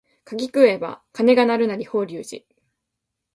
柿食えば鐘が鳴るなり法隆寺